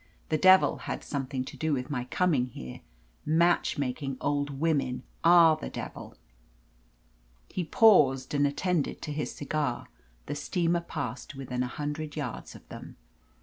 The devil had something to do with my coming here. Match making old women are the devil." He paused and attended to his cigar. The steamer passed within a hundred yards of them.